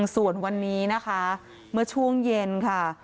ส่วนวันนี้นะคะเมื่อช่วงเย็นค่ะ